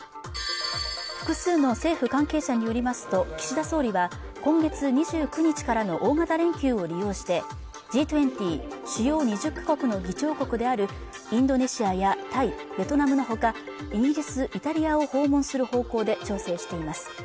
複数の政府関係者によりますと岸田総理は今月２９日からの大型連休を利用してＧ２０＝主要２０か国の議長国であるインドネシアやタイベトナムのほかイギリスイタリアを訪問する方向で調整しています